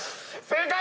正解！